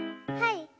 はい。